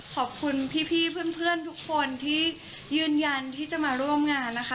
ขอบคุณพี่เพื่อนทุกคนที่ยืนยันที่จะมาร่วมงานนะคะ